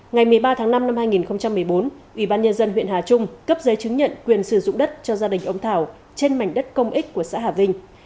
ngày một mươi ba tháng năm năm hai nghìn một mươi bốn ủy ban nhân dân huyện hà trung cấp giấy chứng nhận quyền sử dụng đất cho gia đình ông thảo trên mảnh đất công ích của xã hà vinh